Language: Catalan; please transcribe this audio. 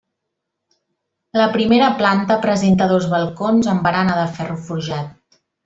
La primera planta presenta dos balcons amb barana de ferro forjat.